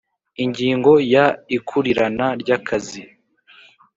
Ingingo ya ikurirana ry akazi